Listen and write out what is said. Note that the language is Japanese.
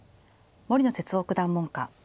森野節男九段門下。